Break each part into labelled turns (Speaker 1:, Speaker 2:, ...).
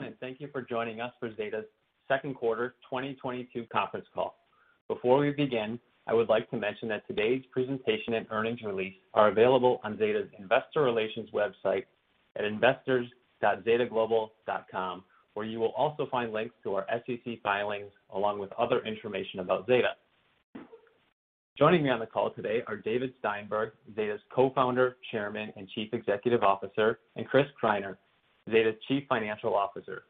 Speaker 1: Everyone, thank you for joining us for Zeta's second quarter 2022 conference call. Before we begin, I would like to mention that today's presentation and earnings release are available on Zeta's Investor Relations website at investors.zetaglobal.com, where you will also find links to our SEC filings along with other information about Zeta. Joining me on the call today are David Steinberg, Zeta's Co-Founder, Chairman, and Chief Executive Officer, and Chris Greiner, Zeta's Chief Financial Officer.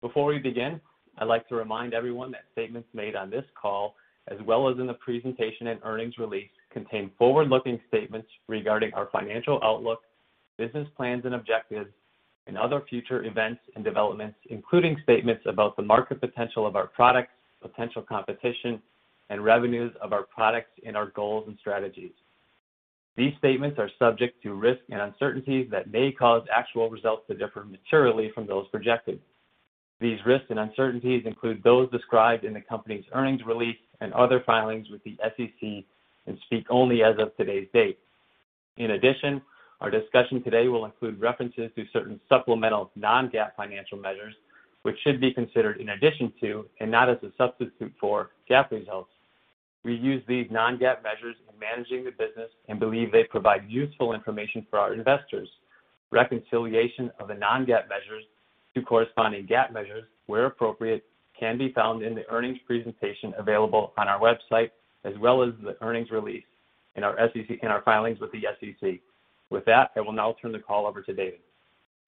Speaker 1: Before we begin, I'd like to remind everyone that statements made on this call, as well as in the presentation and earnings release, contain forward-looking statements regarding our financial outlook, business plans and objectives, and other future events and developments, including statements about the market potential of our products, potential competition and revenues of our products, and our goals and strategies. These statements are subject to risks and uncertainties that may cause actual results to differ materially from those projected. These risks and uncertainties include those described in the company's earnings release and other filings with the SEC and speak only as of today's date. In addition, our discussion today will include references to certain supplemental non-GAAP financial measures, which should be considered in addition to and not as a substitute for GAAP results. We use these non-GAAP measures in managing the business and believe they provide useful information for our investors. Reconciliation of the non-GAAP measures to corresponding GAAP measures, where appropriate, can be found in the earnings presentation available on our website, as well as the earnings release in our filings with the SEC. With that, I will now turn the call over to David.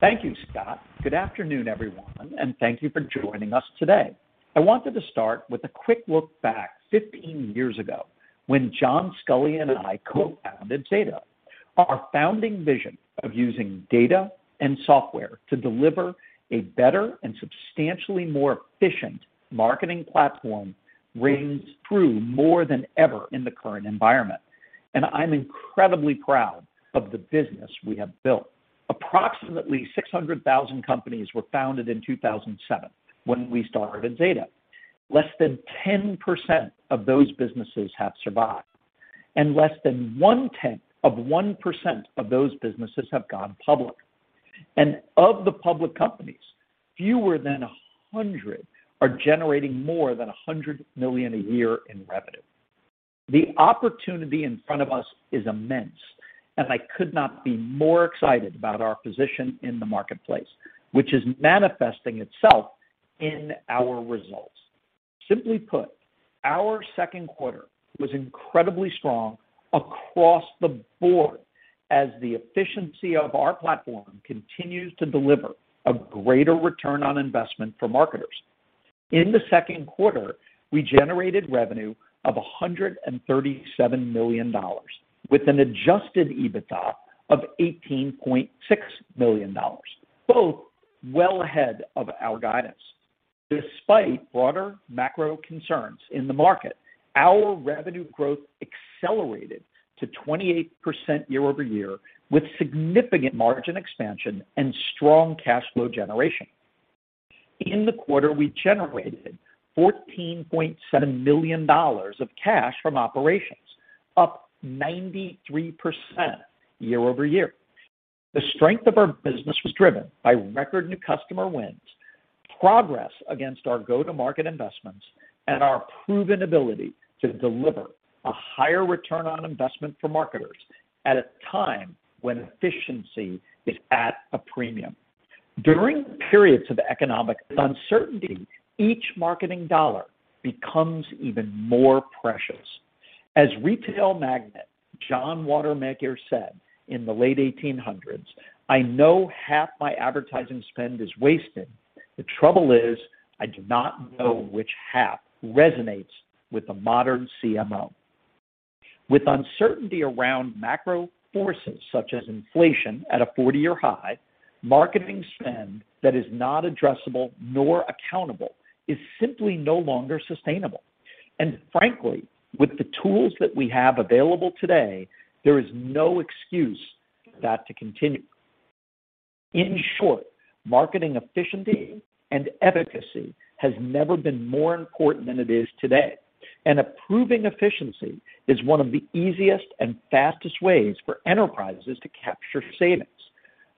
Speaker 2: Thank you, Scott. Good afternoon, everyone, and thank you for joining us today. I wanted to start with a quick look back 15 years ago when John Sculley and I co-founded Zeta. Our founding vision of using data and software to deliver a better and substantially more efficient marketing platform rings true more than ever in the current environment, and I'm incredibly proud of the business we have built. Approximately 600,000 companies were founded in 2007 when we started Zeta. Less than 10% of those businesses have survived, and less than 0.1% of those businesses have gone public. Of the public companies, fewer than 100 are generating more than $100 million a year in revenue. The opportunity in front of us is immense, and I could not be more excited about our position in the marketplace, which is manifesting itself in our results. Simply put, our second quarter was incredibly strong across the board as the efficiency of our platform continues to deliver a greater return on investment for marketers. In the second quarter, we generated revenue of $137 million, with an adjusted EBITDA of $18.6 million, both well ahead of our guidance. Despite broader macro concerns in the market, our revenue growth accelerated to 28% year-over-year, with significant margin expansion and strong cash flow generation. In the quarter, we generated $14.7 million of cash from operations, up 93% year-over-year. The strength of our business was driven by record new customer wins, progress against our go-to-market investments, and our proven ability to deliver a higher return on investment for marketers at a time when efficiency is at a premium. During periods of economic uncertainty, each marketing dollar becomes even more precious. As retail magnate John Wanamaker said in the late 1800s, "I know half my advertising spend is wasted. The trouble is, I do not know which half." Resonates with the modern CMO. With uncertainty around macro forces such as inflation at a 40-year high, marketing spend that is not addressable nor accountable is simply no longer sustainable. Frankly, with the tools that we have available today, there is no excuse for that to continue. In short, marketing efficiency and efficacy has never been more important than it is today. Improving efficiency is one of the easiest and fastest ways for enterprises to capture savings.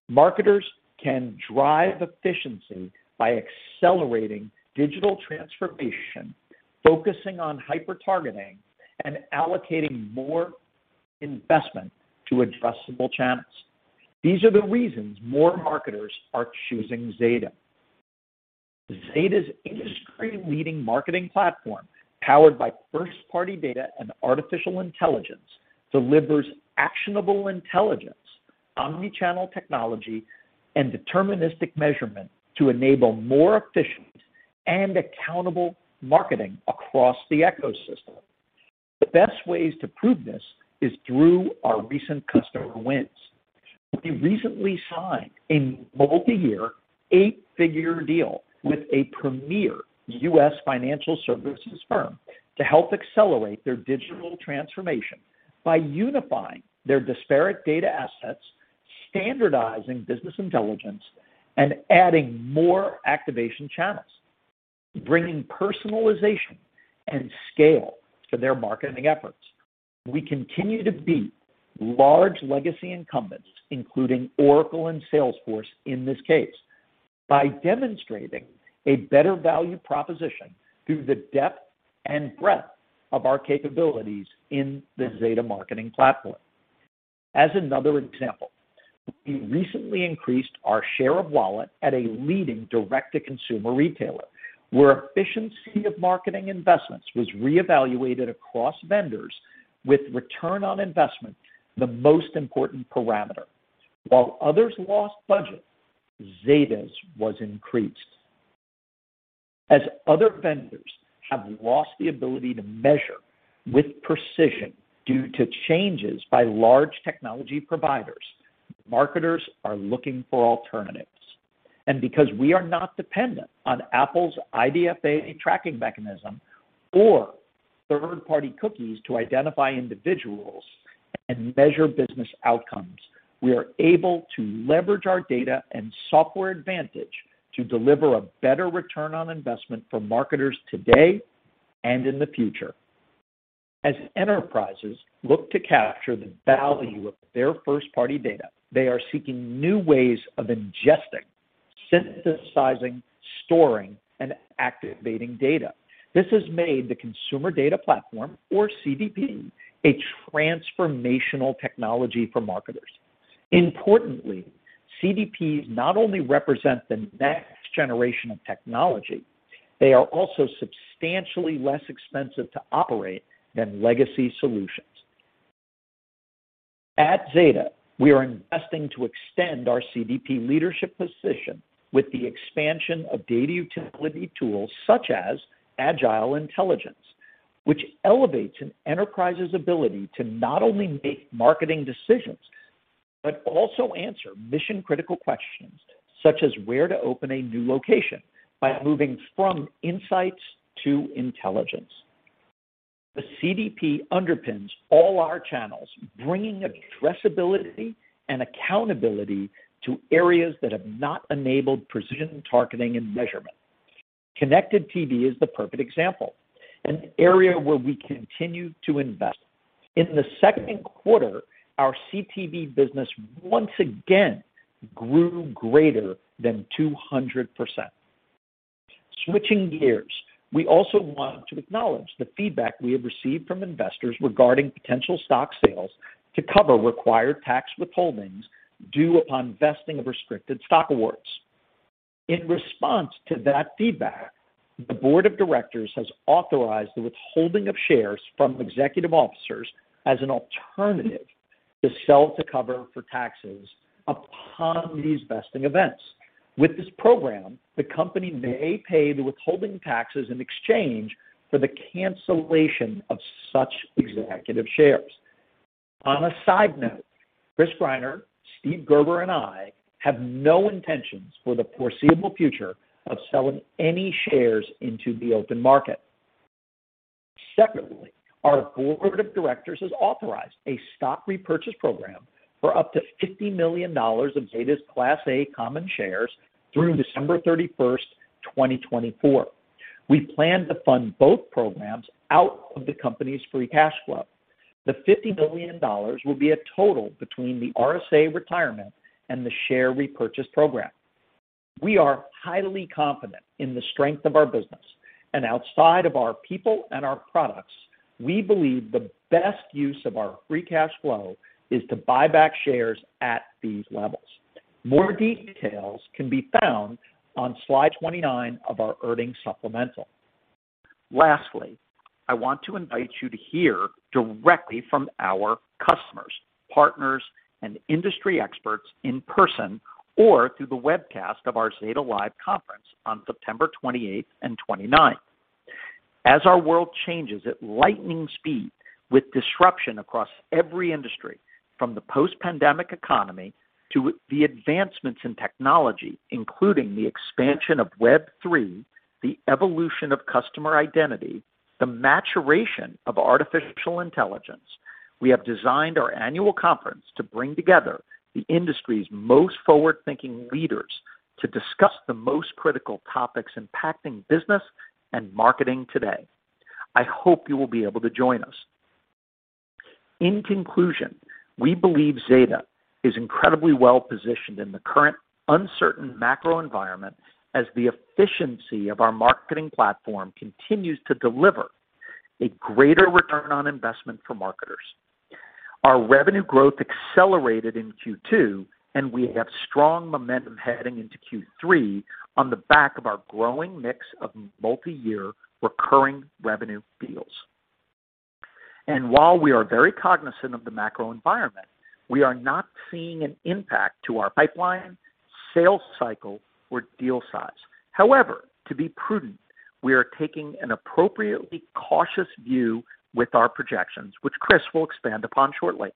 Speaker 2: Marketers can drive efficiency by accelerating digital transformation, focusing on hyper-targeting, and allocating more investment to addressable channels. These are the reasons more marketers are choosing Zeta. Zeta's industry-leading marketing platform, powered by first-party data and artificial intelligence, delivers actionable intelligence, omnichannel technology, and deterministic measurement to enable more efficient and accountable marketing across the ecosystem. The best ways to prove this is through our recent customer wins. We recently signed a multi-year, eight-figure deal with a premier U.S. financial services firm to help accelerate their digital transformation by unifying their disparate data assets, standardizing business intelligence, and adding more activation channels, bringing personalization and scale to their marketing efforts. We continue to beat large legacy incumbents, including Oracle and Salesforce in this case, by demonstrating a better value proposition through the depth and breadth of our capabilities in the Zeta Marketing Platform. As another example, we recently increased our share of wallet at a leading direct-to-consumer retailer, where efficiency of marketing investments was reevaluated across vendors with return on investment the most important parameter. While others lost budget, Zeta's was increased. As other vendors have lost the ability to measure with precision due to changes by large technology providers, marketers are looking for alternatives. Because we are not dependent on Apple's IDFA tracking mechanism or third-party cookies to identify individuals and measure business outcomes, we are able to leverage our data and software advantage to deliver a better return on investment for marketers today and in the future. As enterprises look to capture the value of their first-party data, they are seeking new ways of ingesting, synthesizing, storing, and activating data. This has made the consumer data platform, or CDP, a transformational technology for marketers. Importantly, CDPs not only represent the next generation of technology, they are also substantially less expensive to operate than legacy solutions. At Zeta, we are investing to extend our CDP leadership position with the expansion of data utility tools such as Agile Intelligence, which elevates an enterprise's ability to not only make marketing decisions, but also answer mission-critical questions, such as where to open a new location, by moving from insights to intelligence. The CDP underpins all our channels, bringing addressability and accountability to areas that have not enabled precision targeting and measurement. Connected TV is the perfect example, an area where we continue to invest. In the second quarter, our CTV business once again grew greater than 200%. Switching gears, we also want to acknowledge the feedback we have received from investors regarding potential stock sales to cover required tax withholdings due upon vesting of restricted stock awards. In response to that feedback, the board of directors has authorized the withholding of shares from executive officers as an alternative to sell to cover for taxes upon these vesting events. With this program, the company may pay the withholding taxes in exchange for the cancellation of such executive shares. On a side note, Chris Greiner, Steve Gerber, and I have no intentions for the foreseeable future of selling any shares into the open market. Secondly, our board of directors has authorized a stock repurchase program for up to $50 million of Zeta's Class A common shares through December 31st, 2024. We plan to fund both programs out of the company's free cash flow. The $50 million will be a total between the RSA retirement and the share repurchase program. We are highly confident in the strength of our business, and outside of our people and our products, we believe the best use of our free cash flow is to buy back shares at these levels. More details can be found on slide 29 of our earnings supplemental. Lastly, I want to invite you to hear directly from our customers, partners, and industry experts in person or through the webcast of our Zeta Live conference on September 28th and 29th. As our world changes at lightning speed with disruption across every industry, from the post-pandemic economy to the advancements in technology, including the expansion of Web3, the evolution of customer identity, the maturation of artificial intelligence, we have designed our annual conference to bring together the industry's most forward-thinking leaders to discuss the most critical topics impacting business and marketing today. I hope you will be able to join us. In conclusion, we believe Zeta is incredibly well-positioned in the current uncertain macro environment as the efficiency of our marketing platform continues to deliver a greater return on investment for marketers. Our revenue growth accelerated in Q2, and we have strong momentum heading into Q3 on the back of our growing mix of multiyear recurring revenue deals. While we are very cognizant of the macro environment, we are not seeing an impact to our pipeline, sales cycle, or deal size. However, to be prudent, we are taking an appropriately cautious view with our projections, which Chris will expand upon shortly.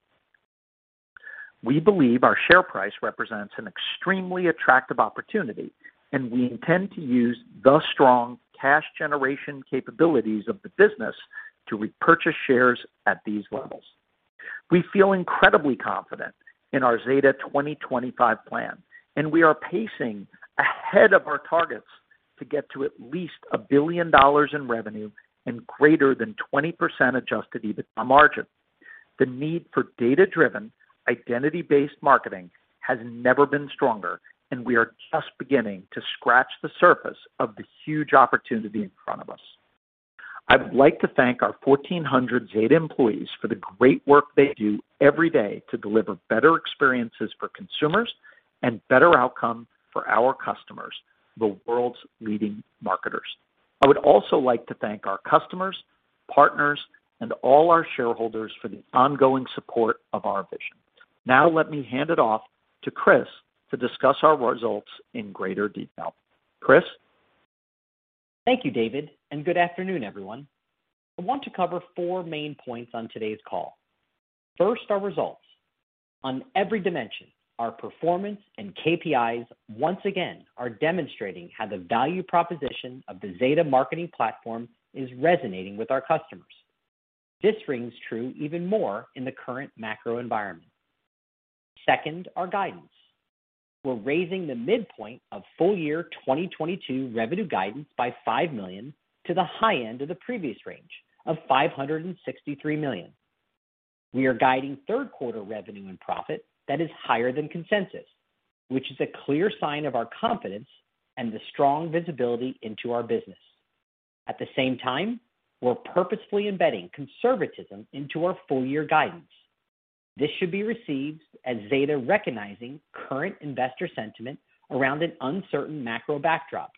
Speaker 2: We believe our share price represents an extremely attractive opportunity, and we intend to use the strong cash generation capabilities of the business to repurchase shares at these levels. We feel incredibly confident in our Zeta 2025 plan, and we are pacing ahead of our targets to get to at least $1 billion in revenue and greater than 20% adjusted EBITDA margin. The need for data-driven, identity-based marketing has never been stronger, and we are just beginning to scratch the surface of the huge opportunity in front of us. I would like to thank our 1,400 Zeta employees for the great work they do every day to deliver better experiences for consumers and better outcomes for our customers, the world's leading marketers. I would also like to thank our customers, partners, and all our shareholders for the ongoing support of our vision. Now let me hand it off to Chris to discuss our results in greater detail. Chris?
Speaker 3: Thank you, David, and good afternoon, everyone. I want to cover four main points on today's call. First, our results. On every dimension, our performance and KPIs once again are demonstrating how the value proposition of the Zeta Marketing Platform is resonating with our customers. This rings true even more in the current macro environment. Second, our guidance. We're raising the midpoint of full year 2022 revenue guidance by $5 million to the high end of the previous range of $563 million. We are guiding third quarter revenue and profit that is higher than consensus, which is a clear sign of our confidence and the strong visibility into our business. At the same time, we're purposefully embedding conservatism into our full year guidance. This should be received as Zeta recognizing current investor sentiment around an uncertain macro backdrop,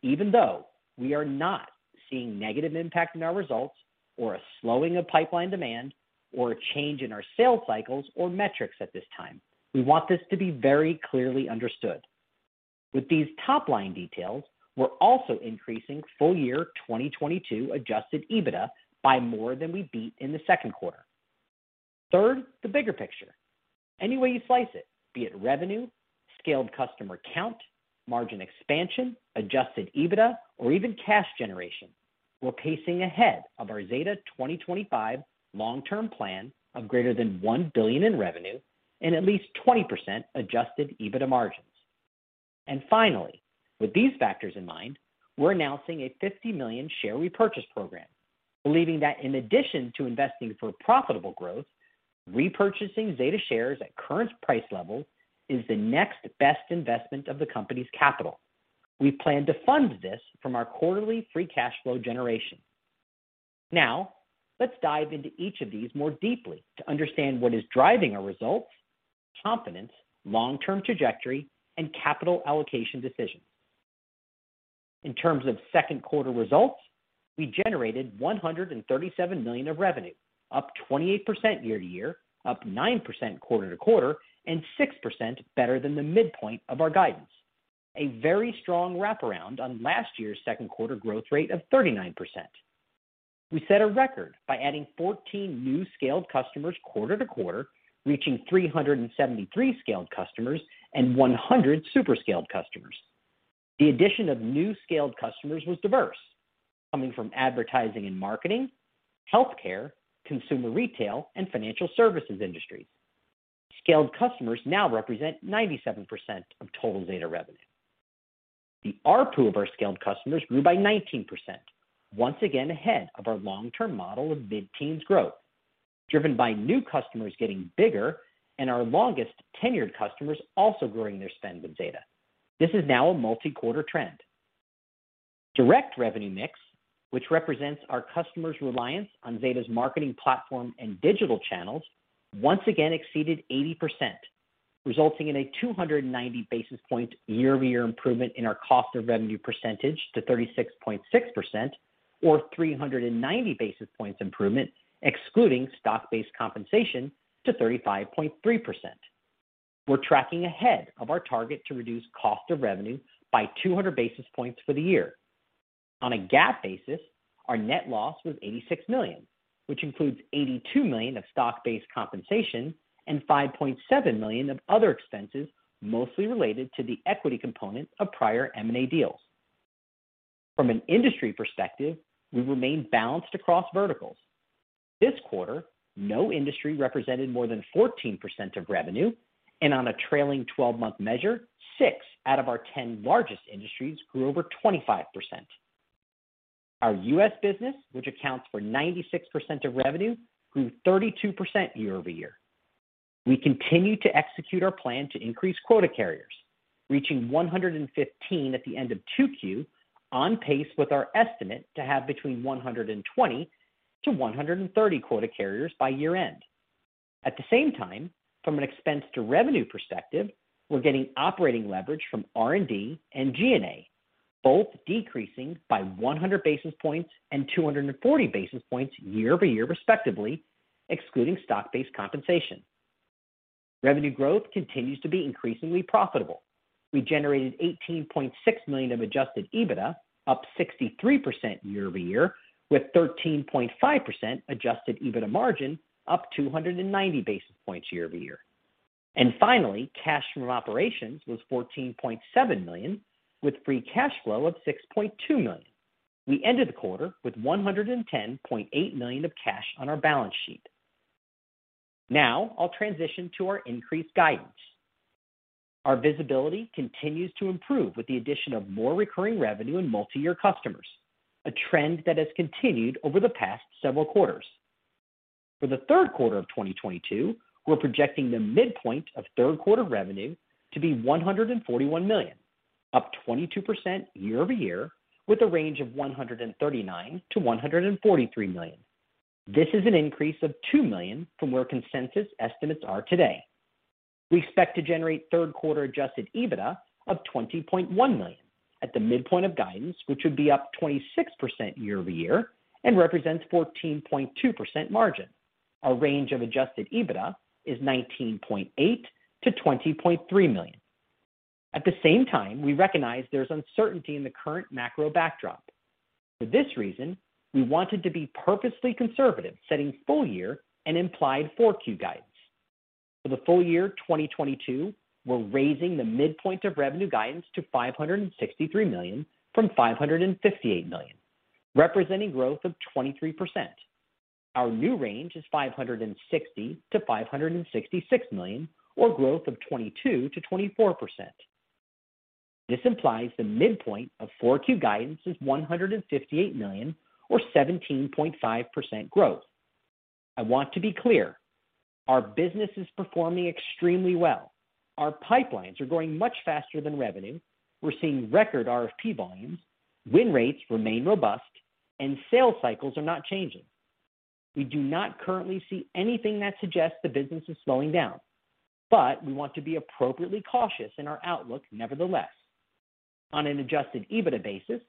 Speaker 3: even though we are not seeing negative impact in our results or a slowing of pipeline demand or a change in our sales cycles or metrics at this time. We want this to be very clearly understood. With these top-line details, we're also increasing full year 2022 adjusted EBITDA by more than we beat in the second quarter. Third, the bigger picture. Any way you slice it, be it revenue, scaled customer count, margin expansion, adjusted EBITDA, or even cash generation, we're pacing ahead of our Zeta 2025 long-term plan of greater than $1 billion in revenue and at least 20% adjusted EBITDA margins. Finally, with these factors in mind, we're announcing a 50 million share repurchase program, believing that in addition to investing for profitable growth, repurchasing Zeta shares at current price levels is the next best investment of the company's capital. We plan to fund this from our quarterly free cash flow generation. Now, let's dive into each of these more deeply to understand what is driving our results, confidence, long-term trajectory, and capital allocation decisions. In terms of second quarter results, we generated $137 million of revenue, up 28% year-over-year, up 9% quarter-over-quarter, and 6% better than the midpoint of our guidance. A very strong wraparound on last year's second quarter growth rate of 39%. We set a record by adding 14 new scaled customers quarter to quarter, reaching 373 scaled customers and 100 super scaled customers. The addition of new scaled customers was diverse, coming from advertising and marketing, healthcare, consumer retail, and financial services industries. Scaled customers now represent 97% of total Zeta revenue. The ARPU of our scaled customers grew by 19%, once again ahead of our long-term model of mid-teens growth, driven by new customers getting bigger and our longest tenured customers also growing their spend with Zeta. This is now a multi-quarter trend. Direct revenue mix, which represents our customers' reliance on Zeta Marketing Platform and digital channels, once again exceeded 80%, resulting in a 290 basis point year-over-year improvement in our cost of revenue percentage to 36.6% or 390 basis points improvement excluding stock-based compensation to 35.3%. We're tracking ahead of our target to reduce cost of revenue by 200 basis points for the year. On a GAAP basis, our net loss was $86 million, which includes $82 million of stock-based compensation and $5.7 million of other expenses, mostly related to the equity component of prior M&A deals. From an industry perspective, we remain balanced across verticals. This quarter, no industry represented more than 14% of revenue, and on a trailing-twelve-month measure, six out of our 10 largest industries grew over 25%. Our U.S. business, which accounts for 96% of revenue, grew 32% year-over-year. We continue to execute our plan to increase quota carriers, reaching 115 at the end of 2Q, on pace with our estimate to have between 120-130 quota carriers by year-end. At the same time, from an expense to revenue perspective, we're getting operating leverage from R&D and G&A, both decreasing by 100 basis points and 240 basis points year-over-year, respectively, excluding stock-based compensation. Revenue growth continues to be increasingly profitable. We generated $18.6 million of adjusted EBITDA, up 63% year-over-year, with 13.5% adjusted EBITDA margin up 290 basis points year-over-year. Finally, cash from operations was $14.7 million, with free cash flow of $6.2 million. We ended the quarter with $110.8 million of cash on our balance sheet. Now I'll transition to our increased guidance. Our visibility continues to improve with the addition of more recurring revenue and multi-year customers, a trend that has continued over the past several quarters. For the third quarter of 2022, we're projecting the midpoint of third quarter revenue to be $141 million, up 22% year-over-year, with a range of $139 million-$143 million. This is an increase of $2 million from where consensus estimates are today. We expect to generate third quarter adjusted EBITDA of $20.1 million at the midpoint of guidance, which would be up 26% year-over-year and represents 14.2% margin. Our range of adjusted EBITDA is $19.8 million-$20.3 million. At the same time, we recognize there's uncertainty in the current macro backdrop. For this reason, we wanted to be purposely conservative, setting full year and implied 4Q guidance. For the full year 2022, we're raising the midpoint of revenue guidance to $563 million from $558 million, representing growth of 23%. Our new range is $560 million-$566 million, or growth of 22%-24%. This implies the midpoint of Q4 guidance is $158 million or 17.5% growth. I want to be clear, our business is performing extremely well. Our pipelines are growing much faster than revenue. We're seeing record RFP volumes. Win rates remain robust and sales cycles are not changing. We do not currently see anything that suggests the business is slowing down, but we want to be appropriately cautious in our outlook nevertheless. On an adjusted EBITDA basis,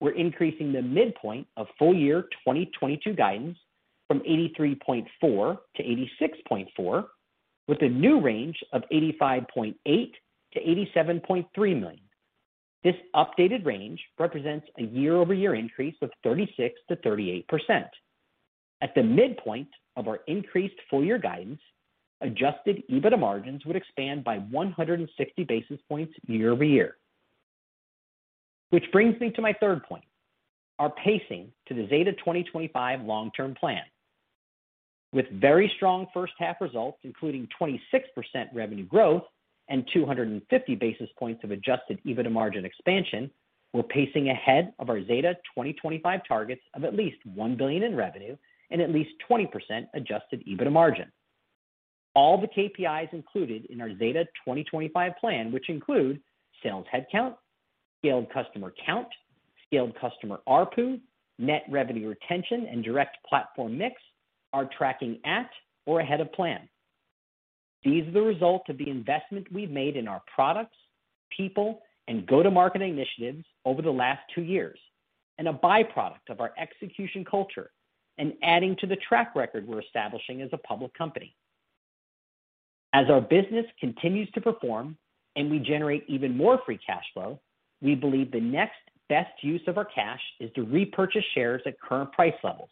Speaker 3: we're increasing the midpoint of full year 2022 guidance from 83.4 to 86.4, with a new range of $85.8 million-$87.3 million. This updated range represents a year-over-year increase of 36%-38%. At the midpoint of our increased full year guidance, adjusted EBITDA margins would expand by 160 basis points year over year. Which brings me to my third point, our pacing to the Zeta 2025 long-term plan. With very strong first half results, including 26% revenue growth and 250 basis points of adjusted EBITDA margin expansion, we're pacing ahead of our Zeta 2025 targets of at least $1 billion in revenue and at least 20% adjusted EBITDA margin. All the KPIs included in our Zeta 2025 plan, which include sales headcount, scaled customer count, scaled customer ARPU, net revenue retention, and direct platform mix, are tracking at or ahead of plan. These are the result of the investment we've made in our products, people, and go-to-market initiatives over the last two years, and a byproduct of our execution culture and adding to the track record we're establishing as a public company. As our business continues to perform and we generate even more free cash flow, we believe the next best use of our cash is to repurchase shares at current price levels.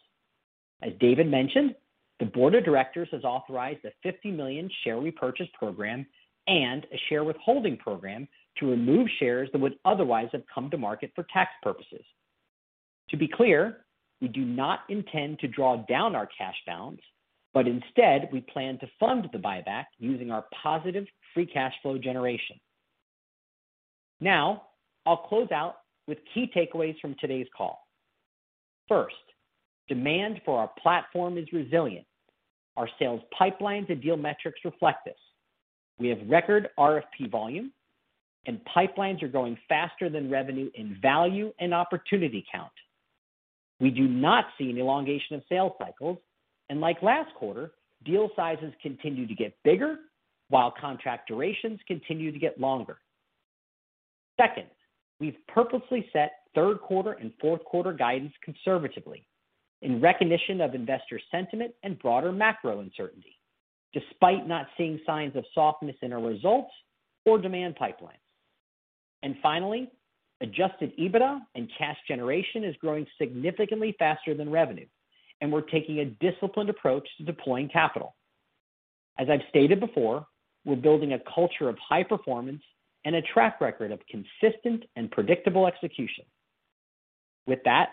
Speaker 3: As David mentioned, the board of directors has authorized a 50 million share repurchase program and a share withholding program to remove shares that would otherwise have come to market for tax purposes. To be clear, we do not intend to draw down our cash balance, but instead we plan to fund the buyback using our positive free cash flow generation. Now, I'll close out with key takeaways from today's call. First, demand for our platform is resilient. Our sales pipelines and deal metrics reflect this. We have record RFP volume, and pipelines are growing faster than revenue in value and opportunity count. We do not see an elongation of sales cycles, and like last quarter, deal sizes continue to get bigger while contract durations continue to get longer. Second, we've purposely set third quarter and fourth quarter guidance conservatively in recognition of investor sentiment and broader macro uncertainty, despite not seeing signs of softness in our results or demand pipelines. Finally, adjusted EBITDA and cash generation is growing significantly faster than revenue, and we're taking a disciplined approach to deploying capital. As I've stated before, we're building a culture of high performance and a track record of consistent and predictable execution. With that,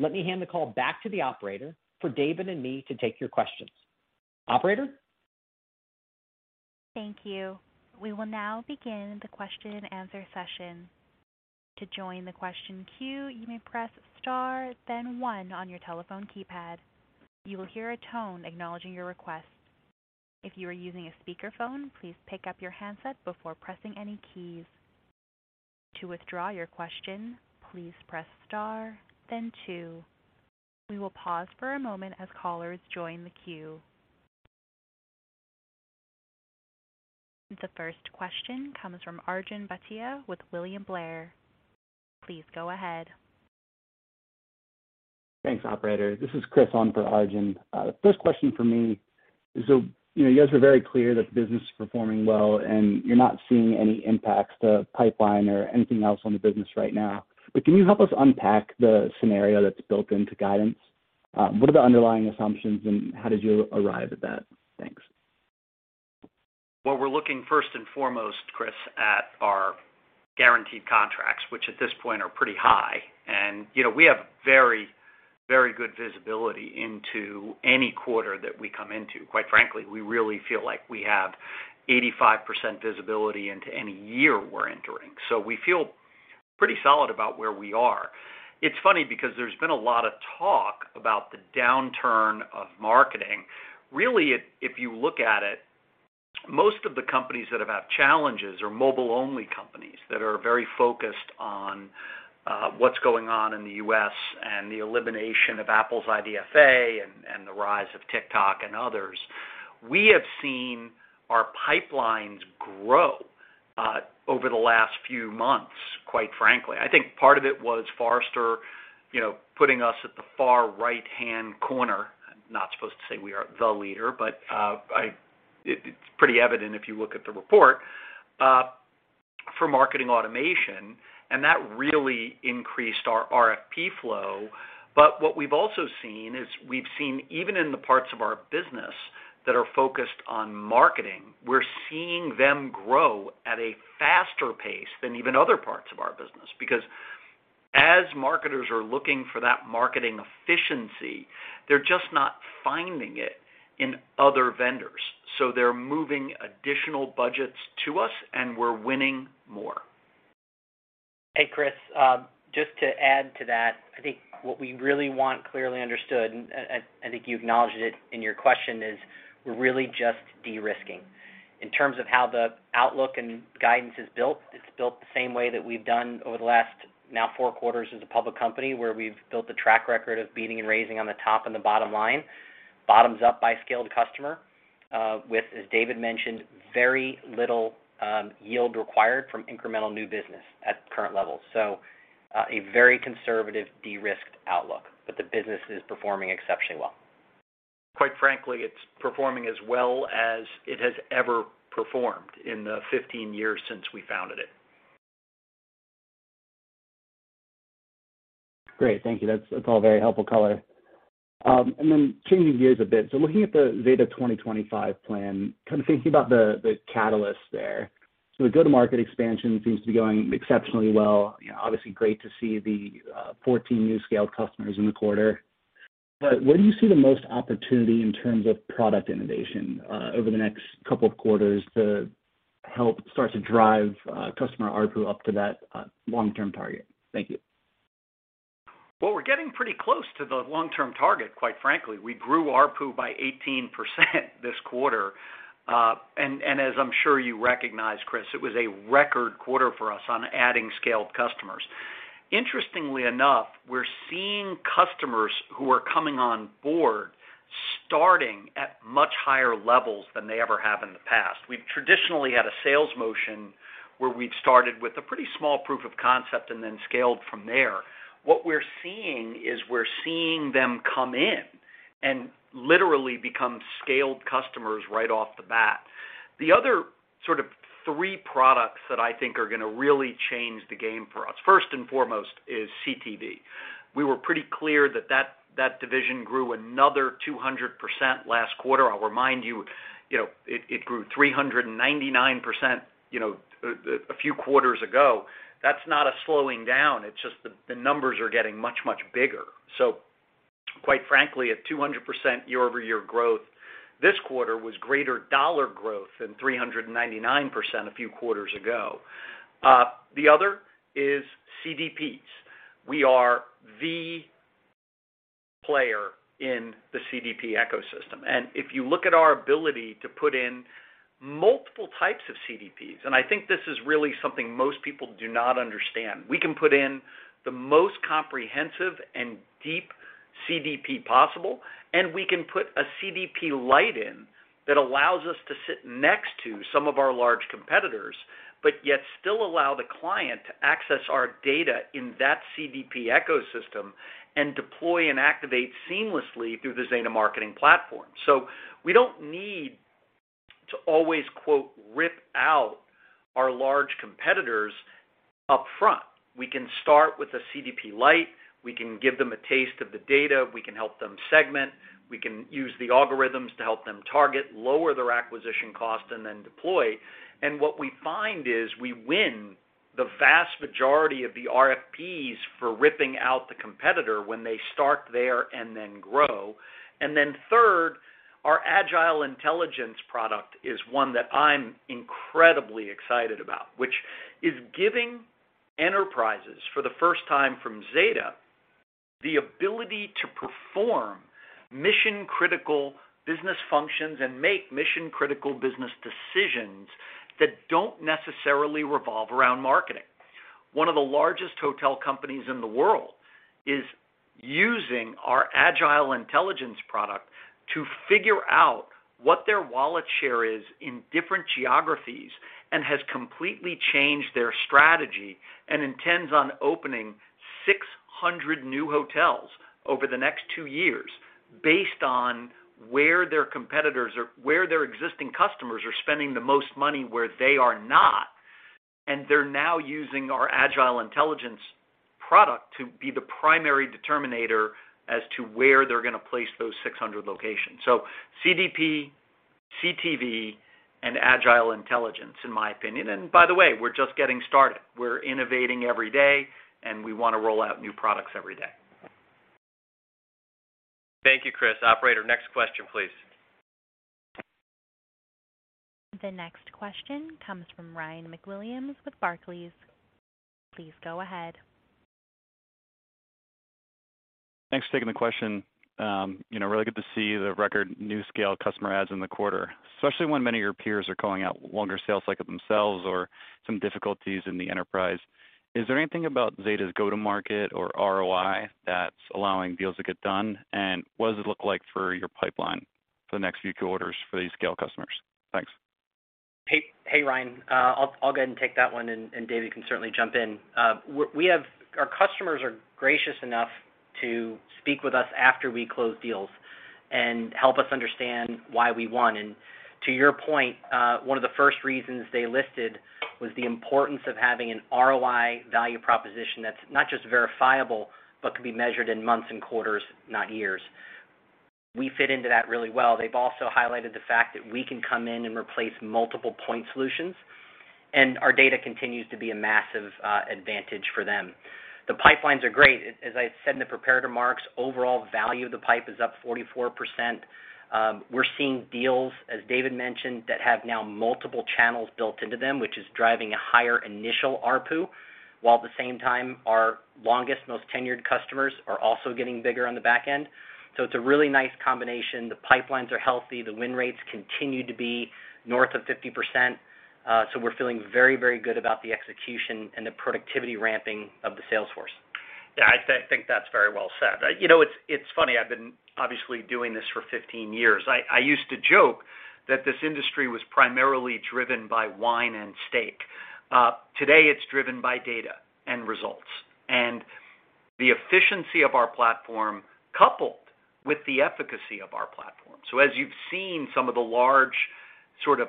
Speaker 3: let me hand the call back to the operator for David and me to take your questions. Operator?
Speaker 4: Thank you. We will now begin the question and answer session. To join the question queue, you may press star then one on your telephone keypad. You will hear a tone acknowledging your request. If you are using a speakerphone, please pick up your handset before pressing any keys. To withdraw your question, please press star then two. We will pause for a moment as callers join the queue. The first question comes from Arjun Bhatia with William Blair. Please go ahead.
Speaker 5: Thanks, Operator. This is Chris on for Arjun. First question from me is, so you know, you guys are very clear that the business is performing well and you're not seeing any impacts to pipeline or anything else on the business right now. Can you help us unpack the scenario that's built into guidance? What are the underlying assumptions, and how did you arrive at that? Thanks.
Speaker 2: Well, we're looking first and foremost, Chris, at our guaranteed contracts, which at this point are pretty high. You know, we have very, very good visibility into any quarter that we come into. Quite frankly, we really feel like we have 85% visibility into any year we're entering. We feel pretty solid about where we are. It's funny because there's been a lot of talk about the downturn of marketing. Really, if you look at it, most of the companies that have had challenges are mobile-only companies that are very focused on what's going on in the U.S. and the elimination of Apple's IDFA and the rise of TikTok and others. We have seen our pipelines grow over the last few months, quite frankly. I think part of it was Forrester, you know, putting us at the far right-hand corner. I'm not supposed to say we are the leader, but it's pretty evident if you look at the report for marketing automation, and that really increased our RFP flow. What we've also seen is we've seen even in the parts of our business that are focused on marketing, we're seeing them grow at a faster pace than even other parts of our business. Because as marketers are looking for that marketing efficiency, they're just not finding it in other vendors. They're moving additional budgets to us, and we're winning more.
Speaker 3: Hey, Chris, just to add to that, I think what we really want clearly understood, and I think you acknowledged it in your question, is we're really just de-risking. In terms of how the outlook and guidance is built, it's built the same way that we've done over the last now four quarters as a public company, where we've built a track record of beating and raising on the top and the bottom line, bottoms up by scaled customer, with, as David mentioned, very little yield required from incremental new business at current levels. A very conservative de-risked outlook, but the business is performing exceptionally well.
Speaker 2: Quite frankly, it's performing as well as it has ever performed in the 15 years since we founded it.
Speaker 5: Great. Thank you. That's all very helpful color. Changing gears a bit. Looking at the Zeta 2025 plan, kind of thinking about the catalyst there. The go-to-market expansion seems to be going exceptionally well. You know, obviously great to see the 14 new scaled customers in the quarter. Where do you see the most opportunity in terms of product innovation over the next couple of quarters to help start to drive customer ARPU up to that long-term target? Thank you.
Speaker 2: Well, we're getting pretty close to the long-term target, quite frankly. We grew ARPU by 18% this quarter. And as I'm sure you recognize, Chris, it was a record quarter for us on adding scaled customers. Interestingly enough, we're seeing customers who are coming on board starting at much higher levels than they ever have in the past. We've traditionally had a sales motion where we've started with a pretty small proof of concept and then scaled from there. What we're seeing is we're seeing them come in and literally become scaled customers right off the bat. The other sort of three products that I think are gonna really change the game for us, first and foremost, is CTV. We were pretty clear that that division grew another 200% last quarter. I'll remind you know, it grew 399%, you know, a few quarters ago. That's not a slowing down. It's just the numbers are getting much bigger. Quite frankly, at 200% year-over-year growth, this quarter was greater dollar growth than 399% a few quarters ago. The other is CDPs. We are the player in the CDP ecosystem. If you look at our ability to put in multiple types of CDPs, and I think this is really something most people do not understand. We can put in the most comprehensive and deep CDP possible, and we can put a CDP lite in that allows us to sit next to some of our large competitors, but yet still allow the client to access our data in that CDP ecosystem and deploy and activate seamlessly through the Zeta Marketing Platform. We don't need to always, quote, "rip out" our large competitors up front. We can start with a CDP lite. We can give them a taste of the data. We can help them segment. We can use the algorithms to help them target, lower their acquisition cost, and then deploy. What we find is we win the vast majority of the RFPs for ripping out the competitor when they start there and then grow. Third, our Agile Intelligence product is one that I'm incredibly excited about, which is giving enterprises, for the first time from Zeta, the ability to perform mission-critical business functions and make mission-critical business decisions that don't necessarily revolve around marketing. One of the largest hotel companies in the world is using our Agile Intelligence product to figure out what their wallet share is in different geographies and has completely changed their strategy and intends on opening 600 new hotels over the next two years based on where their existing customers are spending the most money where they are not. They're now using our Agile Intelligence product to be the primary determinator as to where they're gonna place those 600 locations. So CDP, CTV, and Agile Intelligence, in my opinion. By the way, we're just getting started. We're innovating every day, and we wanna roll out new products every day.
Speaker 3: Thank you, Chris. Operator, next question, please.
Speaker 4: The next question comes from Ryan MacWilliams with Barclays. Please go ahead.
Speaker 6: Thanks for taking the question. You know, really good to see the record new scale customer adds in the quarter, especially when many of your peers are calling out longer sales cycle themselves or some difficulties in the enterprise. Is there anything about Zeta's go-to-market or ROI that's allowing deals to get done? And what does it look like for your pipeline for the next few quarters for these scale customers? Thanks.
Speaker 3: Hey, Ryan. I'll go ahead and take that one, and David can certainly jump in. We have our customers are gracious enough to speak with us after we close deals and help us understand why we won. To your point, one of the first reasons they listed was the importance of having an ROI value proposition that's not just verifiable but can be measured in months and quarters, not years. We fit into that really well. They've also highlighted the fact that we can come in and replace multiple point solutions, and our data continues to be a massive advantage for them. The pipelines are great. As I said in the prepared remarks, overall value of the pipe is up 44%. We're seeing deals, as David mentioned, that have now multiple channels built into them, which is driving a higher initial ARPU, while at the same time our longest, most tenured customers are also getting bigger on the back end. It's a really nice combination. The pipelines are healthy. The win rates continue to be north of 50%. We're feeling very, very good about the execution and the productivity ramping of the sales force.
Speaker 2: Yeah. I think that's very well said. You know, it's funny. I've been obviously doing this for 15 years. I used to joke that this industry was primarily driven by wine and steak. Today it's driven by data and results and the efficiency of our platform coupled with the efficacy of our platform. As you've seen some of the large sort of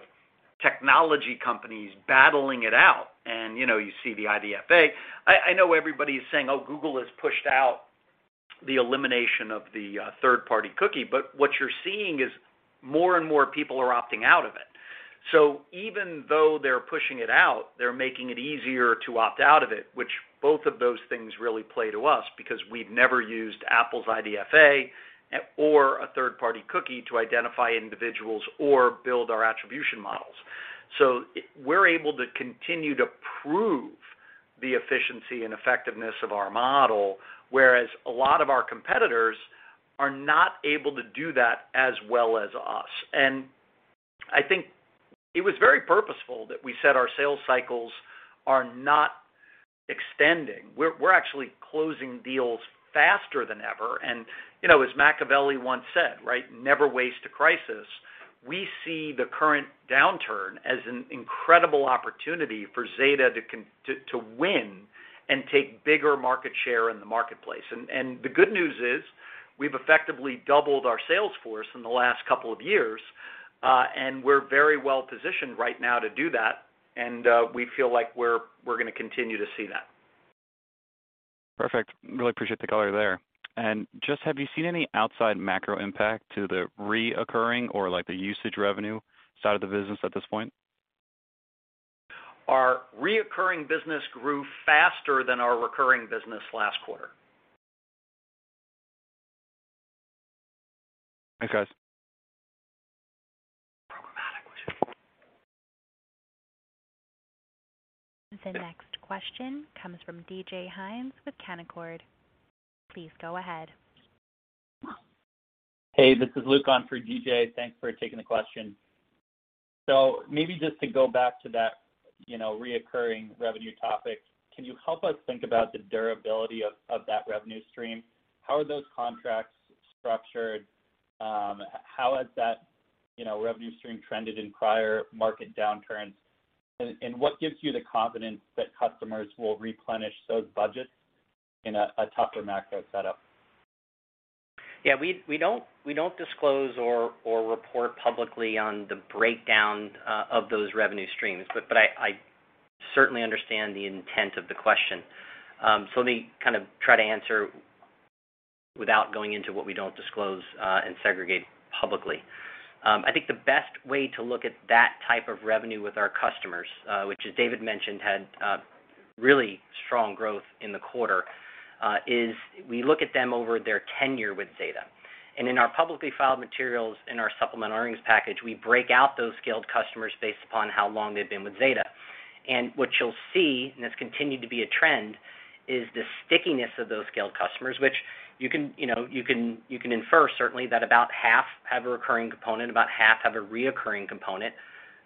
Speaker 2: technology companies battling it out and, you know, you see the IDFA. I know everybody's saying, "Oh, Google has pushed out the elimination of the third-party cookie," but what you're seeing is more and more people are opting out of it. Even though they're pushing it out, they're making it easier to opt out of it, which both of those things really play to us because we've never used Apple's IDFA or a third-party cookie to identify individuals or build our attribution models. We're able to continue to prove the efficiency and effectiveness of our model, whereas a lot of our competitors are not able to do that as well as us. I think it was very purposeful that we said our sales cycles are not extending. We're actually closing deals faster than ever. You know, as Machiavelli once said, right, "Never waste a crisis." We see the current downturn as an incredible opportunity for Zeta to win and take bigger market share in the marketplace. The good news is we've effectively doubled our sales force in the last couple of years, and we're very well positioned right now to do that, and we feel like we're gonna continue to see that.
Speaker 6: Perfect. Really appreciate the color there. Just have you seen any outside macro impact to the recurring or, like, the usage revenue side of the business at this point?
Speaker 2: Our recurring business grew faster than our recurring business last quarter.
Speaker 6: Thanks, guys.
Speaker 4: The next question comes from DJ Hynes with Canaccord. Please go ahead.
Speaker 7: Hey, this is Luke on for DJ. Thanks for taking the question. Maybe just to go back to that, you know, recurring revenue topic, can you help us think about the durability of that revenue stream? How are those contracts structured? How has that, you know, revenue stream trended in prior market downturns? What gives you the confidence that customers will replenish those budgets in a tougher macro setup?
Speaker 3: Yeah. We don't disclose or report publicly on the breakdown of those revenue streams, but I certainly understand the intent of the question. Let me kind of try to answer without going into what we don't disclose and segregate publicly. I think the best way to look at that type of revenue with our customers, which as David mentioned, had really strong growth in the quarter, is we look at them over their tenure with Zeta. In our publicly filed materials, in our supplement earnings package, we break out those scaled customers based upon how long they've been with Zeta. What you'll see, and it's continued to be a trend, is the stickiness of those scaled customers, which you can, you know, you can infer certainly that about half have a recurring component, about half have a recurring component.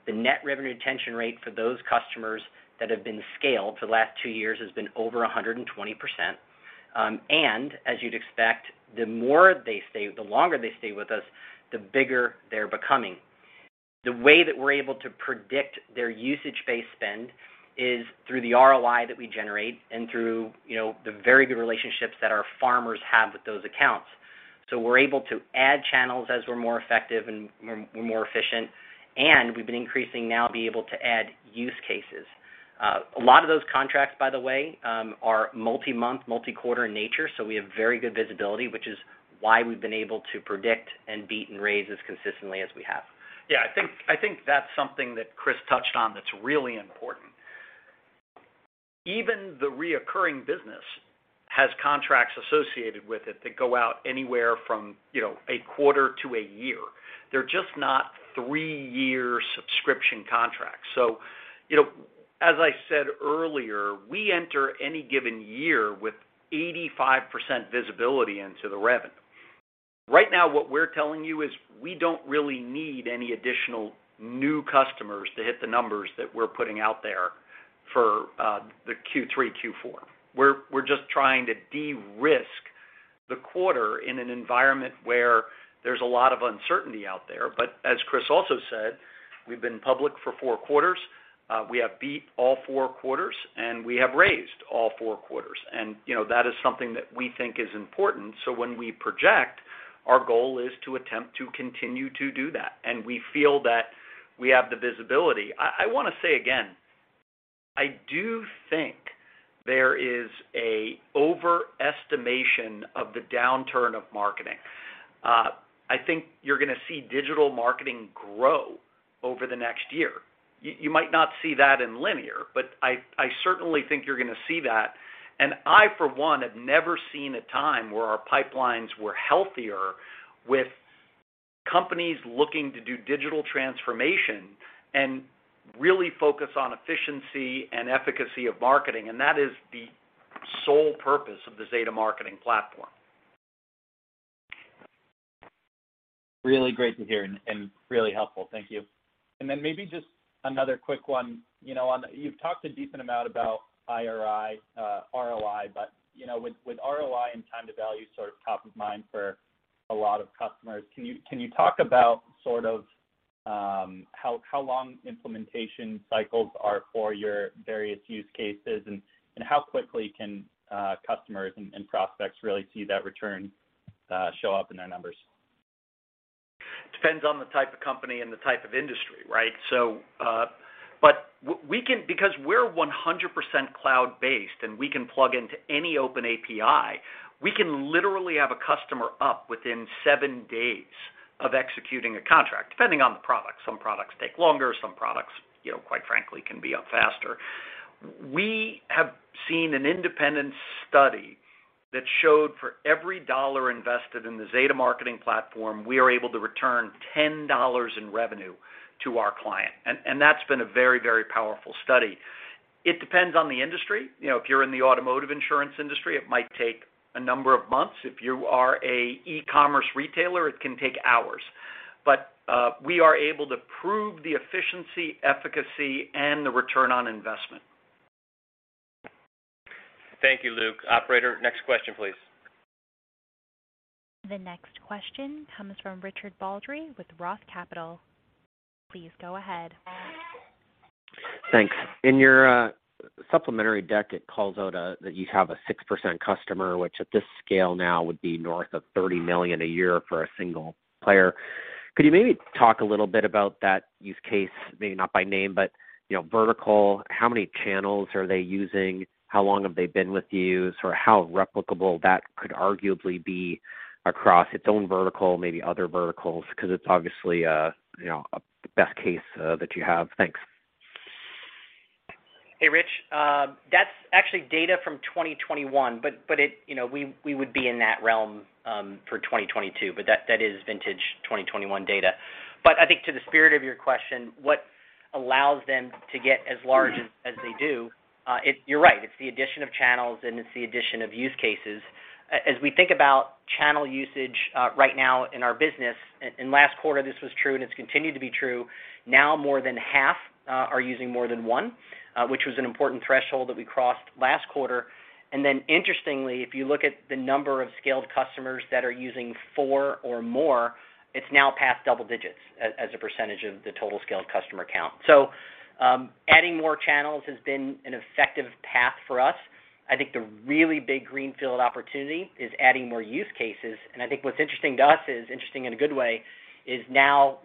Speaker 3: The net revenue retention rate for those customers that have been scaled for the last two years has been over 120%. As you'd expect, the more they stay, the longer they stay with us, the bigger they're becoming. The way that we're able to predict their usage-based spend is through the ROI that we generate and through, you know, the very good relationships that our farmers have with those accounts. We're able to add channels as we're more effective and we're more efficient, and we've been increasingly able to add use cases. A lot of those contracts, by the way, are multi-month, multi-quarter in nature, so we have very good visibility, which is why we've been able to predict and beat and raise as consistently as we have.
Speaker 2: I think that's something that Chris touched on that's really important. Even the recurring business has contracts associated with it that go out anywhere from, you know, a quarter to a year. They're just not three-year subscription contracts. You know, as I said earlier, we enter any given year with 85% visibility into the revenue. Right now, what we're telling you is we don't really need any additional new customers to hit the numbers that we're putting out there for the Q3, Q4. We're just trying to de-risk the quarter in an environment where there's a lot of uncertainty out there. But as Chris also said, we've been public for four quarters, we have beat all four quarters, and we have raised all four quarters. You know, that is something that we think is important. When we project, our goal is to attempt to continue to do that, and we feel that we have the visibility. I wanna say again, I do think there is an overestimation of the downturn of marketing. I think you're gonna see digital marketing grow over the next year. You might not see that in linear, but I certainly think you're gonna see that. I, for one, have never seen a time where our pipelines were healthier with companies looking to do digital transformation and really focus on efficiency and efficacy of marketing. That is the sole purpose of the Zeta Marketing Platform.
Speaker 7: Really great to hear and really helpful. Thank you. Maybe just another quick one. You know, you've talked a decent amount about ROI, but you know, with ROI and time to value sort of top of mind for a lot of customers, can you talk about sort of how long implementation cycles are for your various use cases and how quickly can customers and prospects really see that return show up in their numbers?
Speaker 2: Depends on the type of company and the type of industry, right? So, but we can, because we're 100% cloud-based, and we can plug into any open API, we can literally have a customer up within seven days of executing a contract, depending on the product. Some products take longer, some products, you know, quite frankly, can be up faster. We have seen an independent study that showed for every $1 invested in the Zeta Marketing Platform, we are able to return $10 in revenue to our client. That's been a very, very powerful study. It depends on the industry. You know, if you're in the automotive insurance industry, it might take a number of months. If you are an e-commerce retailer, it can take hours. We are able to prove the efficiency, efficacy, and the return on investment.
Speaker 3: Thank you, Luke. Operator, next question, please.
Speaker 4: The next question comes from Richard Baldry with ROTH Capital. Please go ahead.
Speaker 8: Thanks. In your supplementary deck, it calls out that you have a 6% customer, which at this scale now would be north of $30 million a year for a single player. Could you maybe talk a little bit about that use case, maybe not by name, but, you know, vertical, how many channels are they using? How long have they been with you? Sort of how replicable that could arguably be across its own vertical, maybe other verticals, 'cause it's obviously, you know, a best case that you have. Thanks.
Speaker 3: Hey, Rich. That's actually data from 2021, but you know, we would be in that realm for 2022, but that is vintage 2021 data. I think to the spirit of your question, what allows them to get as large as they do, you're right, it's the addition of channels and it's the addition of use cases. As we think about channel usage, right now in our business, and last quarter this was true and it's continued to be true, now more than half are using more than one, which was an important threshold that we crossed last quarter. Interestingly, if you look at the number of scaled customers that are using four or more, it's now past double digits as a percentage of the total scaled customer count. Adding more channels has been an effective path for us. I think the really big greenfield opportunity is adding more use cases. I think what's interesting to us is, interesting in a good way, is now